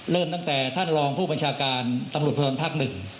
เริ่มตั้งแต่ท่านรองผู้บัญชาการตำรวจประวัติภาค๑